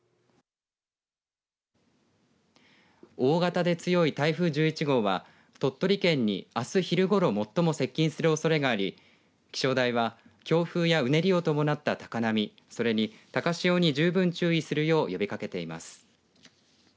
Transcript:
大型で強い台風１１号は鳥取県にあす昼ごろ、最も接近するおそれがあり気象台は強風やうねりを伴った高波、それに高潮に十分注意するよう呼びかけています。